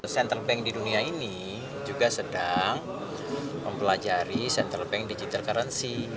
central bank di dunia ini juga sedang mempelajari central bank digital currency